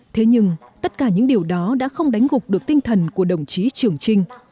thế nhưng tất cả những điều đó đã không đánh gục được tinh thần của đồng chí trường trinh